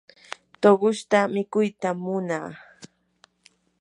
tuqushta mikuytam munaa.